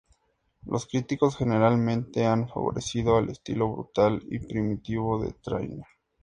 Los críticos generalmente han favorecido el estilo brutal y primitivo de Trainer.